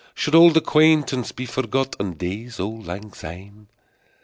Should auld acquaintance be forgot, And days o' lang syne?